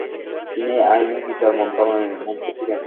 তিনি আইন ও বিচার মন্ত্রণালয়ের মন্ত্রী ছিলেন।